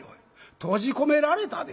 閉じ込められたで？